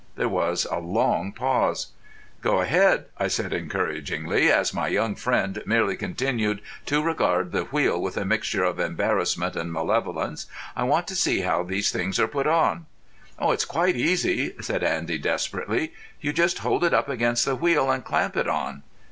There was a long pause. "Go ahead," I said encouragingly, as my young friend merely continued to regard the wheel with a mixture of embarrassment and malevolence. "I want to see how these things are put on." "It's quite easy," said Andy desperately. "You just hold it up against the wheel and clamp it on."